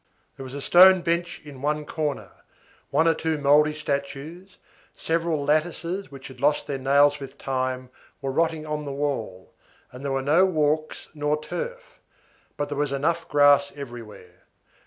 There was a stone bench in one corner, one or two mouldy statues, several lattices which had lost their nails with time, were rotting on the wall, and there were no walks nor turf; but there was enough grass everywhere.